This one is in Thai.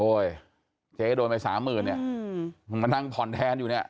โอ๊ยเจ๊โดนไปสามหมื่นนี่มานั่งผ่อนแทนอยู่นี้